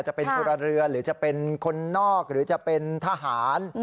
จะเป็นพลเรือนหรือจะเป็นคนนอกหรือจะเป็นทหาร